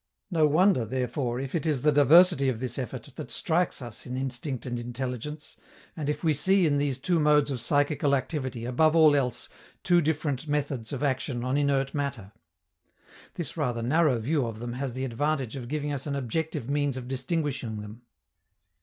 No wonder, therefore, if it is the diversity of this effort that strikes us in instinct and intelligence, and if we see in these two modes of psychical activity, above all else, two different methods of action on inert matter. This rather narrow view of them has the advantage of giving us an objective means of distinguishing them.